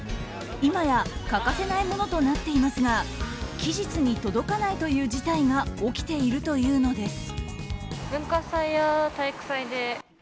今や欠かせないものとなっていますが期日に届かないという事態が起きているというのです。